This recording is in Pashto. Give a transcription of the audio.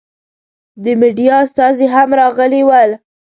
د مېډیا استازي هم راغلي ول.